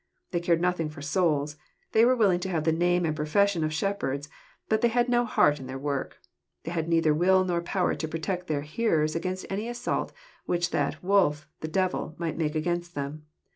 They cared nothing for souls. They were willing to have the name and profession of shepherds, but they had no heart in their work. They had neither will nor power to protect their hearers against any assault which that wolf, the devil, might make against them.